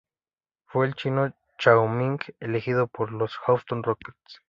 Fue el chino Yao Ming, elegido por los Houston Rockets.